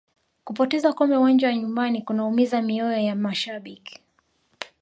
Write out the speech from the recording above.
kupoteza kombe uwanja wa nyumbani kunaumiza mioyo ya mashabiki